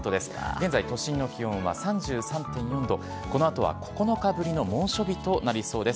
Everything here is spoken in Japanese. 現在、都心の気温は３３．４度、このあとは９日ぶりの猛暑日となりそうです。